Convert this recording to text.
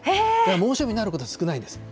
猛暑日になること少ないんです。